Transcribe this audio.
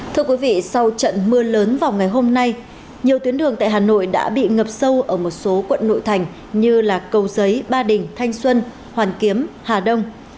thưa quý vị sau trận mưa lớn vào ngày hôm nay nhiều tuyến đường tại hà nội đã bị ngập sâu ở một số quận nội thành như cầu giấy ba đình thanh xuân hoàn kiếm hà đông